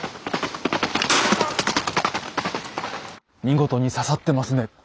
見事に刺さってますね。